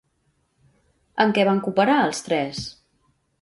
En què van cooperar els tres?